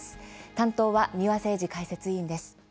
担当は三輪誠司解説委員です。